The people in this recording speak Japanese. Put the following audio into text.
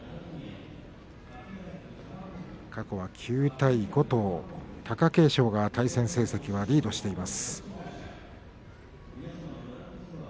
過去は９対５貴景勝が対戦成績リードしています。